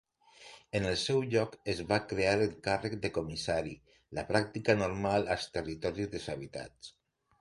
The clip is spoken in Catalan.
En el seu lloc es va crear el càrrec de comissari, la pràctica normal als territoris deshabitats.